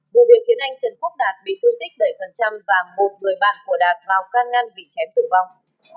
vụ việc khiến anh trần phúc đạt bị thương tích đẩy phần trăm và một người bạn của đạt vào ca ngăn bị chém tử vong